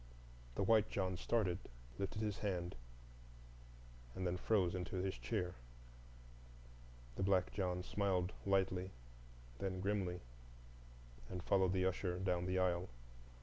The White John started, lifted his hand, and then froze into his chair; the black John smiled lightly, then grimly, and followed the usher down the aisle.